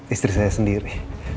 istri saya sendiri